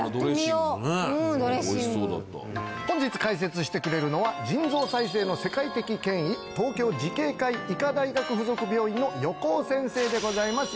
おいしそうだった本日解説してくれるのは腎臓再生の世界的権威東京慈恵会医科大学附属病院の横尾先生でございます